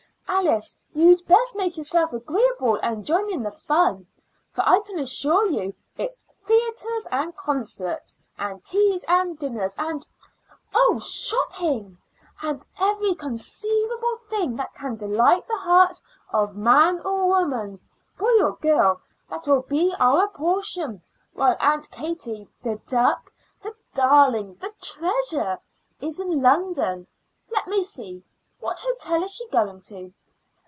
Alice, you'd best make yourself agreeable and join in the fun, for I can assure you it's theaters and concerts and teas and dinners and oh! shopping, and every conceivable thing that can delight the heart of man or woman, boy or girl, that will be our portion while Aunt Katie the duck, the darling, the treasure! is in London. Let me see; what hotel is she going to?